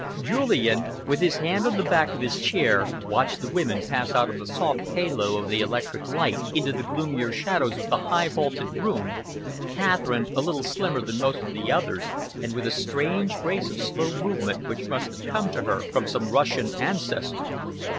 Julian, with his hand on the back of his chair, watched the women pass out of the soft halo of the electric lights into the gloomier shadows of the high, vaulted room, Catherine a little slimmer than most of the others, and with a strange grace of slow movement which must have come to her from some Russian ancestor.